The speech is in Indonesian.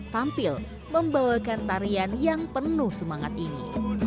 tampil membawakan tarian yang penuh semangat ini